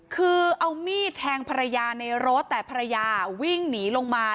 คือเอามีดแทงภรรยาในรถแต่ภรรยาวิ่งหนีลงมา